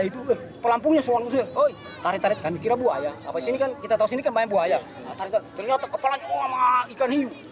ternyata kepalanya ikan hiu